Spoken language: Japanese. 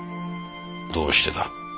どうしてだ？